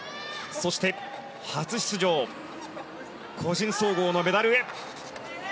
そして、初出場個人総合のメダルへ。